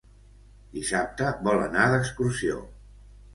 Dissabte vol anar d'excursió.